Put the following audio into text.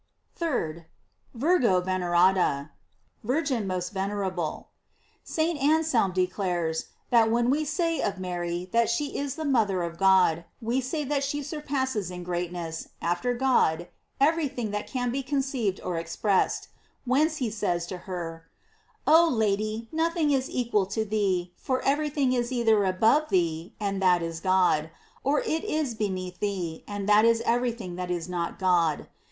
3d. "Virgo veneranda:" Virgin most venera ble. St. Anselm declares, that when we say of Mary that she is the mother of God, we say that she surpasses in greatness, after God, every thing that can be conceived or expressed^ whence be •ays to her: Oh Lady, nothing is equal to the* GLORIES OF MAKY. for every thing is either above thee, and that k God; or it is beneath thee, and that is every thing that is not God.